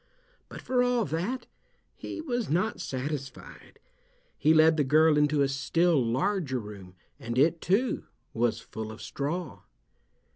But for all that he was not satisfied. He led the girl into a still larger room, and it, too, was full of straw.